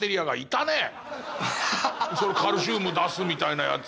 カルシウム出すみたいなやつ。